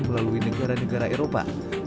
melalui negara negara eropa